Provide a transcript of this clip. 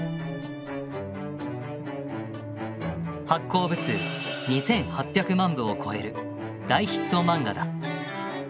発行部数２，８００万部を超える大ヒットマンガだ。